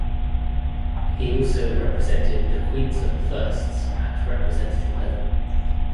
He also represented the Queensland Firsts at representative level.